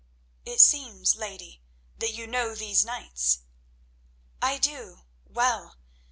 "It seems, lady, that you know these knights." "I do—well.